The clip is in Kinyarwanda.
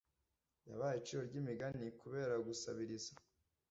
Yabaye iciro ryimigani kubera gusabiriza